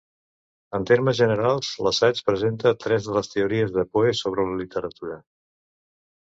En termes generals, l'assaig presenta tres de les teories de Poe sobre la literatura.